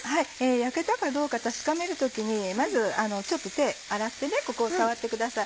焼けたかどうか確かめる時にまず手を洗ってここを触ってください。